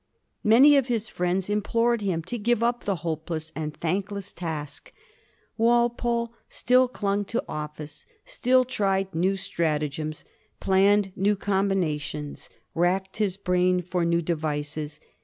Many of his friends implored him to give up the hopeless and thankless task. Walpole still clung to office; still tried new stratagems ; planned new combinations ; racked 1742. *«TH£ THANES FLT FROM MET 189 his brain for new devices.